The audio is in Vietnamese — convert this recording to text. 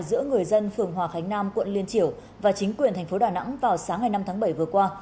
giữa người dân phường hòa khánh nam quận liên triểu và chính quyền tp đà nẵng vào sáng hai mươi năm tháng bảy vừa qua